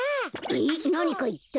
えっなにかいった？